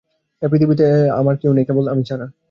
এ পৃথিবীতে আমার কেউ নেই কেবল আমি ছাড়া।